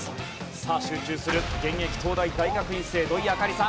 さあ集中する現役東大大学院生土居明莉さん。